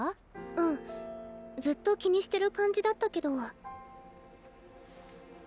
うんずっと気にしてる感じだったけど。